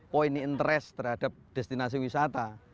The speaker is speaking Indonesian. pointy interest terhadap destinasi wisata